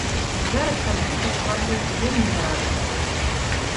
Зараз карцінка складваецца вельмі нярадасная.